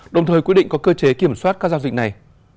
đồng thời quyết định có cơ chế kiểm soát các giao dịch này